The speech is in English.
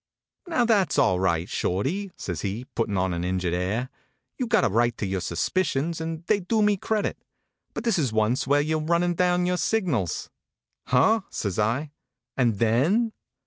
"" Now that s all right, Shorty," says he, puttin on an injured air. You ve got a right to your suspicions, and they do me credit. But this is once when you re run ning down your signals." " Huh! " says I. " And then?